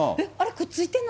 くっついてんの？